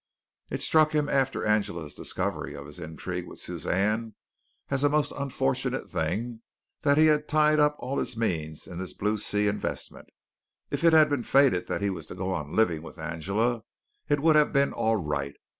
It struck him after Angela's discovery of his intrigue with Suzanne as a most unfortunate thing that he had tied up all his means in this Blue Sea investment. If it had been fated that he was to go on living with Angela, it would have been all right.